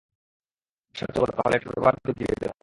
সাহায্য করো, তাহলে এটার ব্যবহার দেখিয়ে দেবো।